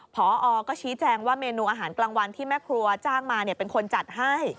พอก็ชี้แจงว่าเมนูอาหารกลางวันที่แม่ครัวจ้างมาเป็นคนจัดให้